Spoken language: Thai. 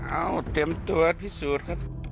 เอาเตรียมตัวพิสูจน์ครับ